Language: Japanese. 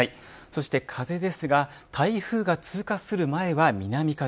そして風ですが台風が通過する前は南風。